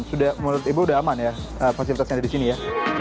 sudah menurut ibu udah aman ya fasilitasnya ada di sini ya